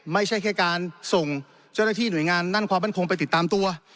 ไม่ใช่แค่การส่งเจ้าหน้าที่หน่วยงานด้านความมั่นคงไปติดตามตัว